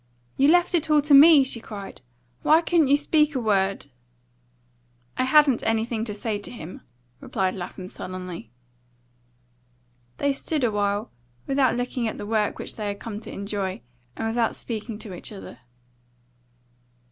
"You left it all to me!" she cried. "Why couldn't you speak a word?" "I hadn't anything to say to him," replied Lapham sullenly. They stood a while, without looking at the work which they had come to enjoy, and without speaking to each other.